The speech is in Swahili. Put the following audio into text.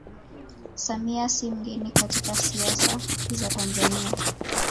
Samia si mgeni katika siasa za Tanzania